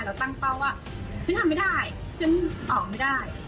ตั้งเป้าว่าฉันทำไม่ได้ฉันตอบไม่ได้